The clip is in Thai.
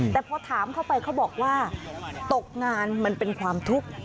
แต่พอถามเข้าไปเขาบอกว่าตกงานมันเป็นความทุกข์